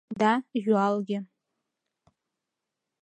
— Да, юалге...